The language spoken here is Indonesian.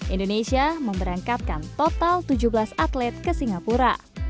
indonesia memberangkatkan total tujuh belas atlet ke singapura